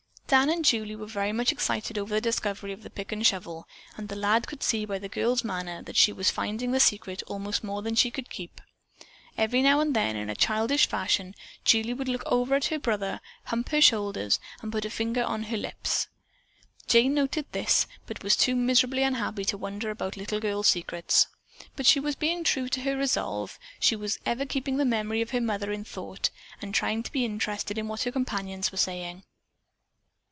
Dan and Julie were very much excited over the discovery of the pick and shovel, and the lad could see by the small girl's manner that she was finding the secret almost more than she could keep. Every now and then, in childish fashion, Julie would look over at her brother, hump her shoulders and put a finger on her lips. Jane noted this, but was too miserably unhappy to wonder about little girl secrets. But she was being true to her resolve. She was ever keeping the memory of her mother in thought, and trying to be interested in what her companions were saying.